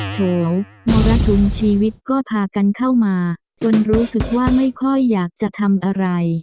โถมรสุมชีวิตก็พากันเข้ามาจนรู้สึกว่าไม่ค่อยอยากจะทำอะไร